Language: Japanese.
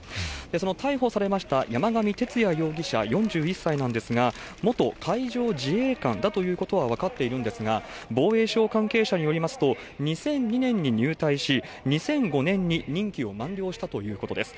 その逮捕されました山上徹也容疑者４１歳なんですが、元海上自衛官だということは分かっているんですが、防衛省関係者によりますと、２００２年に入隊し、２００５年に任期を満了したということです。